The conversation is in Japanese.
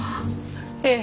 ええ。